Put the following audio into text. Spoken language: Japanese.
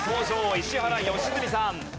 石原良純さん。